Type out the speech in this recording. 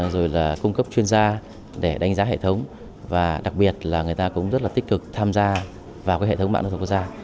rồi là cung cấp chuyên gia để đánh giá hệ thống và đặc biệt là người ta cũng rất là tích cực tham gia vào cái hệ thống mạng nông thuật quốc gia